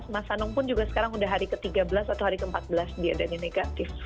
mas anung pun juga sekarang udah hari ke tiga belas atau hari ke empat belas dia dan negatif